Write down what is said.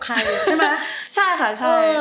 ใช่ไหมใช่ค่ะใช่